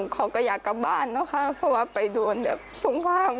เขาก็อยากกลับบ้านนะคะเพราะว่าไปโดนแบบส้มว่าง